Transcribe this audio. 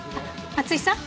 松居さん。